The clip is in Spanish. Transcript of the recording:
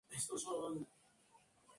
¿Vosotras habéis partido?